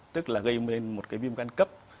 tức là gây lên một cái viêm gan cấp